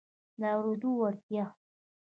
د اورېدو وړتیا